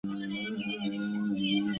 په پاى کې ليکوال ته لا بريا غواړم